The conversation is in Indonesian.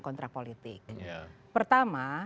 kalau kita terbuka